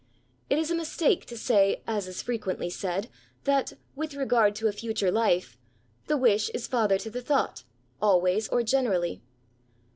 It is a mistake to say, as is frequently said, that, with regard to a friture life, '^ the wish is father to the thought," always or generally.